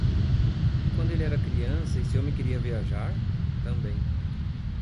Quando ele era criança, esse homem queria viajar? também.